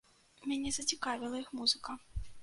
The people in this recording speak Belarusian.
Мяне зацікавіла іх музыка.